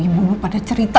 ibu ibu pada cerita